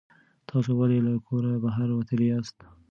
تاسو ولې له کوره بهر وتلي یاست؟